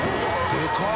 でかい！